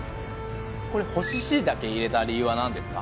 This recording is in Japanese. これ干し椎茸入れた理由は何ですか？